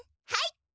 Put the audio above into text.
はい！